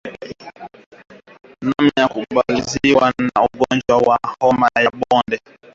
Namna ya kukabiliana na ugonjwa wa homa ya bonde la ufa ni kutoa elimu kwa umma